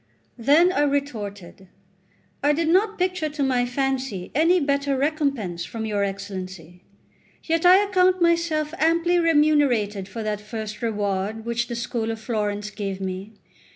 Then I retorted: "I did not picture to my fancy any better recompense from your Excellency; yet I account myself amply remunerated by that first reward which the school of Florence gave me.